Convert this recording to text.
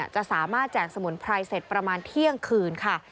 จะสามารถแจกสมุนไพรเสร็จประมาณเที่ยงคืนค่ะ